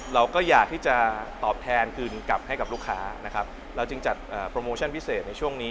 เราก็อยากที่จะตอบแทนคืนกลับให้กับลูกค้านะครับเราจึงจัดโปรโมชั่นพิเศษในช่วงนี้